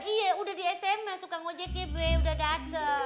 iya udah di sma suka ngojeknya be udah dasar